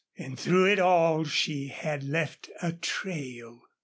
And through it all she had left a trail.